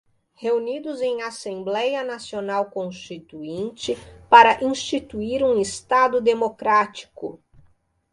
reunidos em Assembleia Nacional Constituinte para instituir um Estado Democrático